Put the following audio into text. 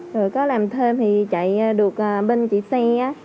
rồi có làm thêm thì chạy được bên chị xe á